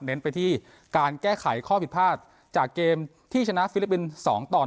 ไปที่การแก้ไขข้อผิดพลาดจากเกมที่ชนะฟิลิปปินส์๒ตอน